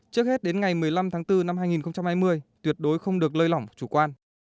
trước hết đến ngày một mươi năm tháng bốn năm hai nghìn hai mươi tuyệt đối không được lơi lỏng chủ quan